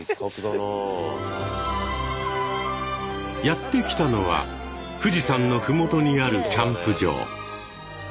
やって来たのは富士山の麓にあるキャンプ場。